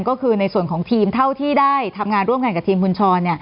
ก็คือในส่วนของทีมเท่าที่ได้ทำงานร่วมกันกับทีมคุณชร